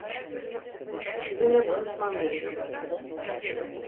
Sizinle konuşmam gerekiyor.